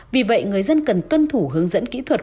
vì vậy người dân cần tuân thủ hướng dẫn kỹ thuật